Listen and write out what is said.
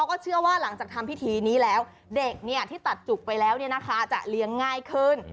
ก็เชื่อว่าหลังจากทำพิธีนี้แล้วเด็กที่ตัดจุกไปแล้วจะเลี้ยงง่ายขึ้น